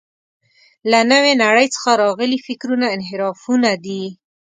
له نوې نړۍ څخه راغلي فکرونه انحرافونه دي.